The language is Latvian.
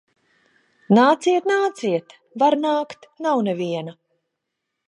Nāciet, nāciet! Var nākt. Nav neviena.